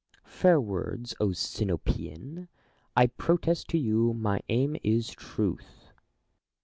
Fair words, Sinopean ! I protest to you my aim is truth.